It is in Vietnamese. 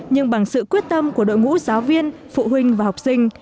nhưng bằng sự quyết tâm của đội ngũ giáo viên phụ huynh và học sinh